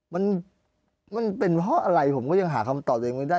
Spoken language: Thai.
มันมันเป็นเพราะอะไรผมก็ยังหาคำตอบตัวเองไม่ได้